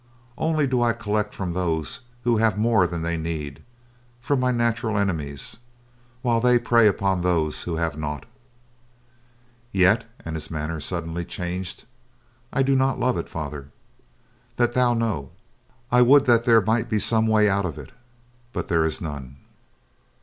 Only do I collect from those who have more than they need, from my natural enemies; while they prey upon those who have naught. "Yet," and his manner suddenly changed, "I do not love it, Father. That thou know. I would that there might be some way out of it, but there is none.